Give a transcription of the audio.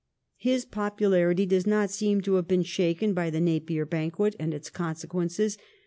His popularity does not seem to have been shaken by the Napier banquet'and its consequences.